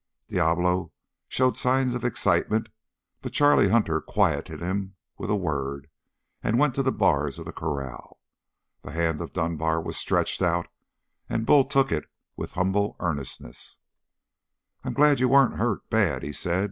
Diablo showed signs of excitement, but Charlie Hunter quieted him with a word and went to the bars of the corral. The hand of Dunbar was stretched out, and Bull took it with humble earnestness. "I'm glad you weren't hurt bad," he said.